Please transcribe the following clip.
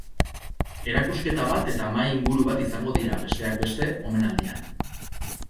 Erakusketa bat eta mahai inguru bat izango dira, besteak beste, omenaldian.